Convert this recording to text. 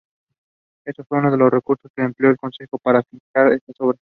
Ese fue uno de los recursos que empleó el concejo para financiar estas obras.